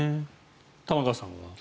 玉川さんは？